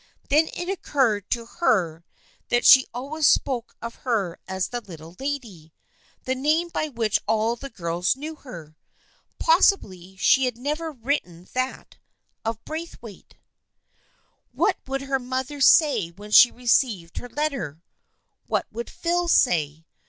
Then it occurred to her that she always spoke of her as " the Little Lady," the name by which all the girls knew her. Possibly she had never written that of Braithwaite. THE FRIENDSHIP OF ANNE 287 What would her mother say when she received her letter ? What would Phil say